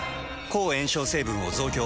抗炎症成分を増強。